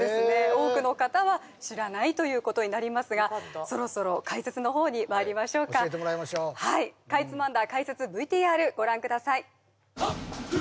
多くの方は知らないということになりますがそろそろ解説の方にまいりましょうか教えてもらいましょうはいご覧ください